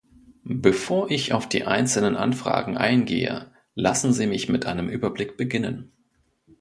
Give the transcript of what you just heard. Bevor ich auf die einzelnen Anfragen eingehe, lassen Sie mich mit einem Überblick beginnen.